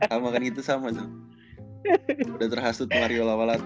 lagi sama kan gitu sama tuh udah terhasut mario lawalata